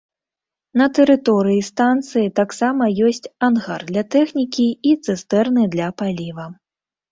На тэрыторыі станцыі таксама ёсць ангар для тэхнікі і цыстэрны для паліва.